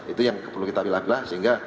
itu yang perlu kita wilablah sehingga